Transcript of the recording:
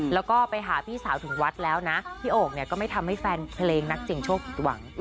แล้วก็ไปหาพี่สาวถึงวัดแล้วนะพี่โอ่งเนี่ยก็ไม่ทำให้แฟนเพลงนักเสียงโชคผิดหวัง